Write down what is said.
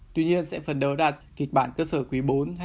tuy nhiên sẽ phần đầu đặt kịch bản cơ sở quý bốn hai nghìn hai mươi một